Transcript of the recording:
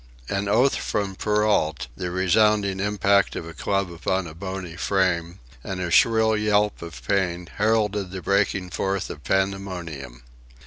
An oath from Perrault, the resounding impact of a club upon a bony frame, and a shrill yelp of pain, heralded the breaking forth of pandemonium.